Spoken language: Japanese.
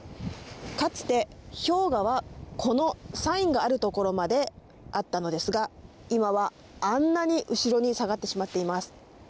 かつて、氷河はこのサインがあるところまであったのですが今は、あんなに後ろに下がってしまっています。